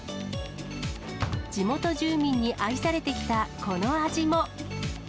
地元住民に愛されてきたこの味も。